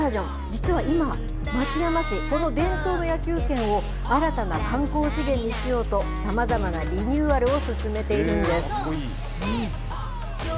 実は今、松山市、この伝統の野球拳を新たな観光資源にしようと、さまざまなリニューアルを進めているんです。